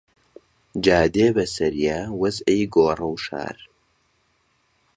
جا دێ بەسەریا وەزعی گۆڕەوشار